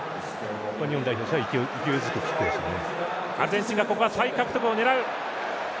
日本代表としては勢いづくキックでしたね。